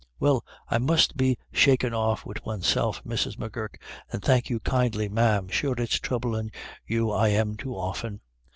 "Well, I must be shankin' off wid oneself, Mrs. M'Gurk, and thank you kindly, ma'am. Sure it's troublin' you I am too often."